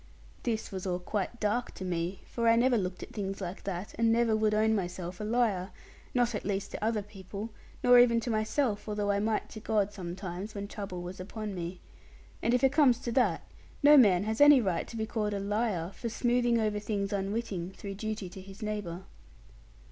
This was all quite dark to me, for I never looked at things like that, and never would own myself a liar, not at least to other people, nor even to myself, although I might to God sometimes, when trouble was upon me. And if it comes to that, no man has any right to be called a 'liar' for smoothing over things unwitting, through duty to his neighbour.